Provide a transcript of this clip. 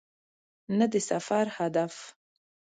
نه د سفر هدف .